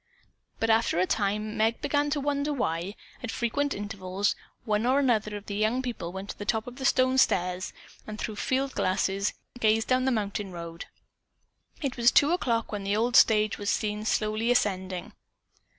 But after a time Meg began to wonder why, at frequent intervals, one or another of the young people went to the top of the stone stairs, and through field glasses, gazed down the mountain road. It was two o'clock when the old stage was seen slowly ascending.